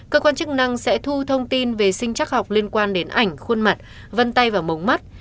cơ quan chức năng sẽ thu thông tin về sinh chắc học liên quan đến ảnh khuôn mặt vân tay và mống mắt